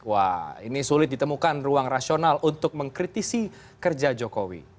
wah ini sulit ditemukan ruang rasional untuk mengkritisi kerja jokowi